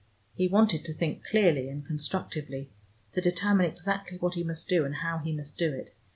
He wanted to think clearly and constructively, to determine exactly what he must do, and how he must do it.